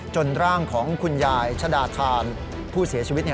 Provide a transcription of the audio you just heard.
ร่างของคุณยายชะดาธานผู้เสียชีวิต